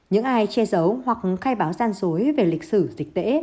khai che giấu hoặc khai báo gian dối về lịch sử dịch tễ